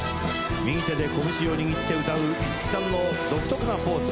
右手でこぶしを握って歌う五木さんの独特なポーズ。